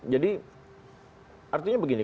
jadi artinya begini